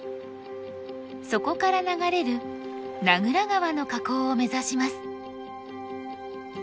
そこから流れる名蔵川の河口を目指します。